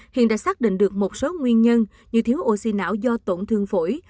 hiện đã xác định được một số nguyên nhân như thiếu oxy não do tổn thương phổi